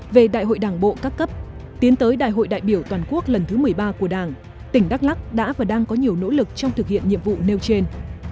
về đại hội đảng bộ các cấp tiến tới đại hội đại biểu toàn quốc lần thứ một mươi ba của đảng tỉnh đắk lắc đã và đang có nhiều nỗ lực trong thực hiện nhiệm vụ nêu trên